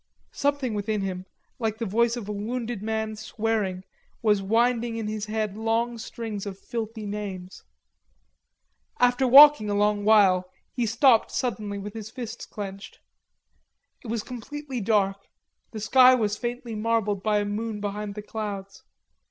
Something within him, like the voice of a wounded man swearing, was whining in his head long strings of filthy names. After walking a long while he stopped suddenly with his fists clenched. It was completely dark, the sky was faintly marbled by a moon behind the clouds.